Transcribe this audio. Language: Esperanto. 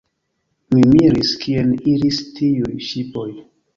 Mi miris kien iris tiuj ŝipoj.